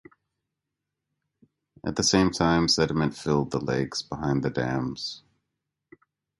At the same time, sediment filled the lakes behind the dams.